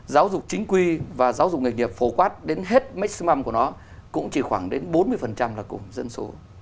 giáo dục chính quy và giáo dục nghệ nghiệp phổ quát đến hết maximum của nó cũng chỉ khoảng đến bốn mươi là cùng dân số